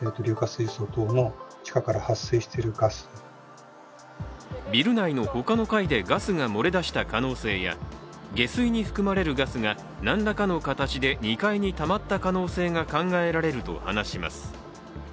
専門家はビル内の他の階でガスが漏れ出した可能性や下水に含まれるガスが何らかの形で２階にたまった可能性が考えられると話します。